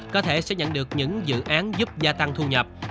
có thể sẽ nhận được những dự án giúp gia tăng thu nhập